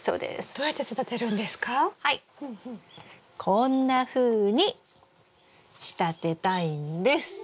こんなふうに仕立てたいんです。